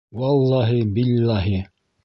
Валлаһи-биллаһи!..